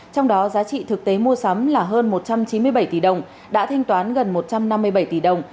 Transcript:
trong đó giá trị thực tế mua sắm là hơn một trăm chín mươi bảy tỷ đồng đã thanh toán gần một trăm năm mươi bảy tỷ đồng